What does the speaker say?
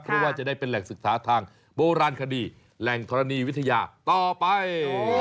เพราะว่าจะได้เป็นแหล่งศึกษาทางโบราณคดีแหล่งธรณีวิทยาต่อไป